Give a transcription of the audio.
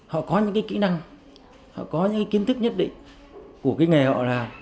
họ có những cái kỹ năng họ có những kiến thức nhất định của cái nghề họ làm